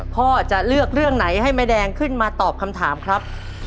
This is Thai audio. พ่อจะเลือกเรื่องไหนให้แม่แดงขึ้นมาตอบคำถามครับ